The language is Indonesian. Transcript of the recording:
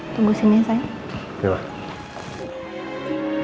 tunggu sini ya sayang